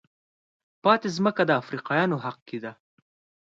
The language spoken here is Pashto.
پاتې ځمکه د افریقایانو حق کېده.